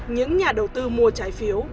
những nhà đầu tư mua trái phiếu